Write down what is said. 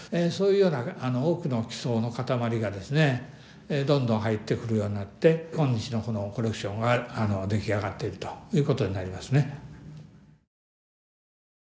そういうような多くの寄贈の塊がですねどんどん入ってくるようになって今日のこのコレクションが出来上がってるということになりますね。